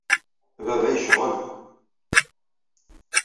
Baba yecɣel.